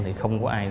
thì không có ai